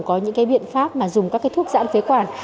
có những biện pháp mà dùng các cái thuốc dãn phế quản